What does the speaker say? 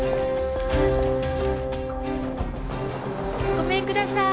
ごめんください。